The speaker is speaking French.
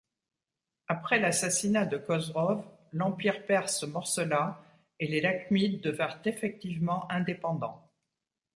Après l'assassinat de Khosrow, l'Empire perse se morcela et les lakhmides devinrent effectivement indépendants.